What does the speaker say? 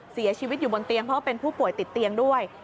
เสียชีวิตอยู่บนเตียงเพราะว่าเป็นผู้ป่วยติดเตียงด้วย